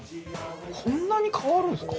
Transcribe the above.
こんなに変わるんですか？